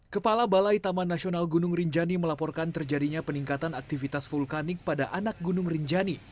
kepala balai taman nasional gunung rinjani melaporkan terjadinya peningkatan aktivitas vulkanik pada anak gunung rinjani